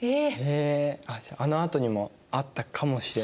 じゃああのあとにもあったかもしれない。